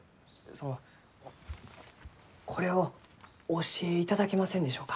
そのこれをお教えいただけませんでしょうか？